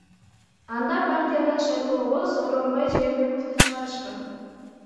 Анда партиядан шайлоого Сооронбай Жээнбековду чыгарышкан.